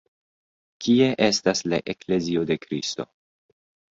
Kie estas la Eklezio de Kristo?.